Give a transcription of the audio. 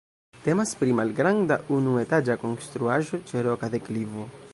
Temas pri malgranda, unuetaĝa konstruaĵo ĉe roka deklivo.